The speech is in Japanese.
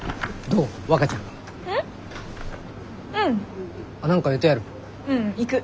ううん行く。